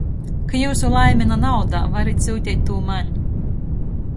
Ka jiusu laime na naudā, varit syuteit tū maņ!...